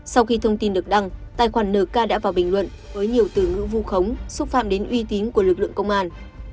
sau khi thông tin được đăng tài khoản nk đã vào bình luận với nhiều từ ngữ vu khống xúc phạm đến uy tín của lực lượng công an